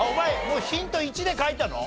もうヒント１で書いたの？